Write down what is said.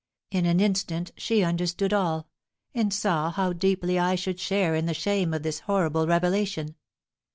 In an instant she understood all, and saw how deeply I should share in the shame of this horrible revelation.